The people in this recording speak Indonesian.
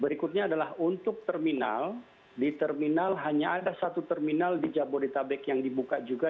berikutnya adalah untuk terminal di terminal hanya ada satu terminal di jabodetabek yang dibuka juga